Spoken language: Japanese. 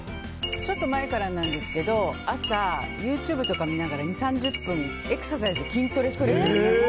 ちょっと前からなんですけど朝、ＹｏｕＴｕｂｅとか見ながら２０３０分エクササイズ、筋トレストレッチ。